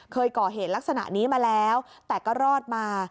เคยก่อเหตุลักษณะนี้มาแล้วแต่ก็รอดมา